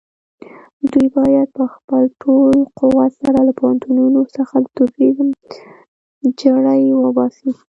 دوی بايد په خپل ټول قوت سره له پوهنتونونو څخه د تروريزم جرړې وباسي.